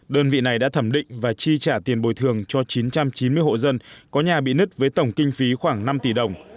đơn vị này đã thẩm định và chi trả tiền bồi thường cho chín trăm chín mươi hộ dân có nhà bị nứt với tổng kinh phí khoảng năm tỷ đồng